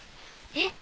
えっ！